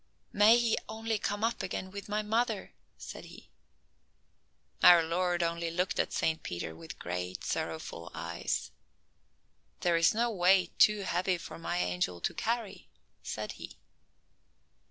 "May he only come up again with my mother!" said he. Our Lord only looked at Saint Peter with great sorrowful eyes. "There is no weight too heavy for my angel to carry," said He.